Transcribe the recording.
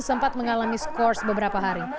sempat mengalami skors beberapa hari